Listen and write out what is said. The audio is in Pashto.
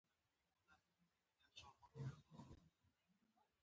هغه د پسرلی پر څنډه ساکت ولاړ او فکر وکړ.